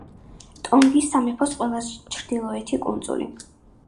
ტონგის სამეფოს ყველაზე ჩრდილოეთი კუნძული.